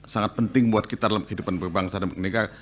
sangat penting buat kita dalam kehidupan berbangsa dan bernegara